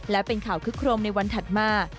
และเป็นข่าวคึกโครมในวันถัดมา